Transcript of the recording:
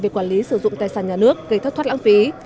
về quản lý sử dụng tài sản nhà nước gây thất thoát lãng phí